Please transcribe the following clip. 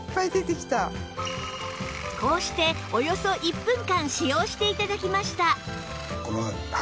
こうしておよそ１分間使用して頂きました